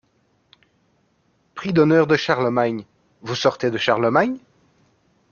Prix d’honneur de Charlemagne, vous sortez de Charlemagne ?